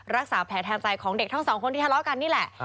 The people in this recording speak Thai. รักษาแผลแทนใจของเด็กทั้งสองคนที่ทะเลาะกันนี่แหละ